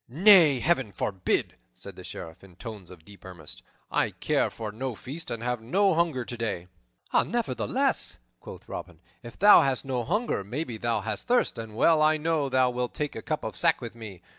"Nay, Heaven forbid!" said the Sheriff in tones of deep earnest. "I care for no feast and have no hunger today." "Nevertheless," quoth Robin, "if thou hast no hunger, maybe thou hast thirst, and well I know thou wilt take a cup of sack with me.